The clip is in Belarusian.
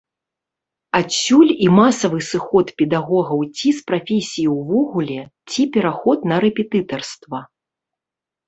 Адсюль і масавы сыход педагогаў ці з прафесіі ўвогуле, ці пераход на рэпетытарства.